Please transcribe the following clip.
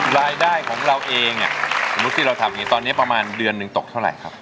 รายได้ของเราเองมนุษย์ที่เราทำอย่างนี้ตอนนี้ประมาณเดือนหนึ่งตกเท่าไหร่ครับ